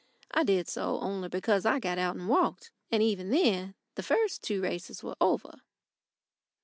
I did so only because I got out and walked; and even then the first two races were over.